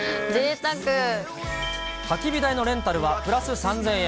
たき火台のレンタルはプラス３０００円。